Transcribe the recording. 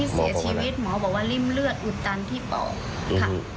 หมอบอกว่าริ่มเลือดอุดตันที่ปอด